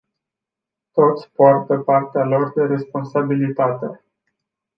Toți poartă partea lor de responsabilitate.